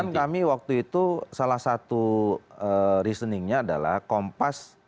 kan kami waktu itu salah satu reasoningnya adalah kompas